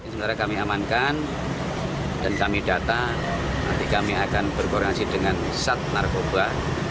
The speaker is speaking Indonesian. sementara kami amankan dan kami data nanti kami akan berkoordinasi dengan sat narkoba